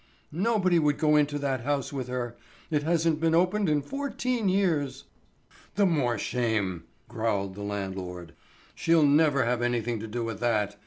"Nobody would go into that house with her. It hasn't been opened in fourteen years." "The more shame," growled the landlord. "She'll never have anything to do with that.